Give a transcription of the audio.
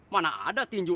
mana ada tinju